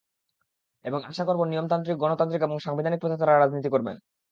এবং আশা করব নিয়মতান্ত্রিক, গণতান্ত্রিক এবং সাংবিধানিক পথে তারা রাজনীতি করবেন।